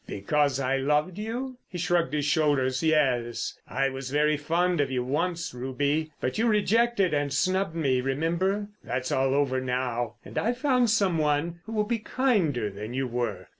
"Because I loved you?" He shrugged his shoulders. "Yes, I was very fond of you once, Ruby. But you rejected and snubbed me, remember. That's all over now, and I've found some one who will be kinder than you were.